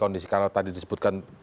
kondisi karena tadi disebutkan